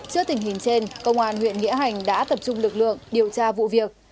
trước tình hình trên công an huyện nghĩa hành đã tập trung lực lượng điều tra vụ việc